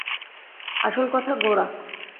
আসল কথা– গোরা।